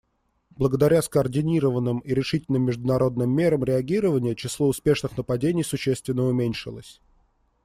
Благодаря скоординированным и решительным международным мерам реагирования число успешных нападений существенно уменьшилось.